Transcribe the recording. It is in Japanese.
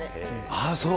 ああ、そう。